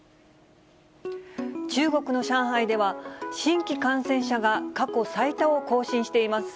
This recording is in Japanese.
中国の上海では、新規感染者が過去最多を更新しています。